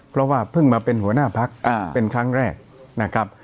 เพราะว่าเพิ่งมาเป็นหัวหน้าพักเป็นครั้งแรกนะครับ